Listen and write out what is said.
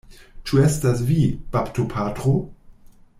Ĉu estas vi, baptopatro?